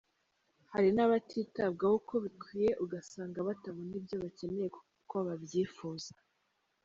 Hari n’abatitabwaho uko bikwiye ugasanga batabona ibyo bakeneye uko babyifuza.